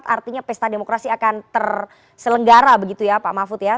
artinya pesta demokrasi akan terselenggara begitu ya pak mahfud ya